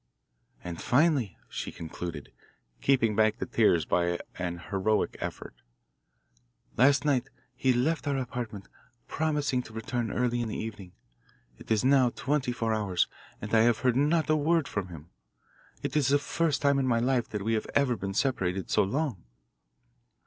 "And finally," she concluded, keeping back the tears by an heroic effort, "last night he left our apartment, promising to return early in the evening. It is now twenty four hours, and I have heard not a word from him. It is the first time in my life that we have ever been separated so long."